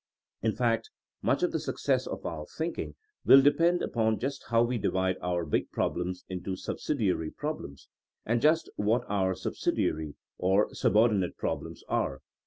In fact, much of the success of our thinking will depend upon just how we divide our big problems into subsidiary problems, and just what our subsidiary or subordinate problems are.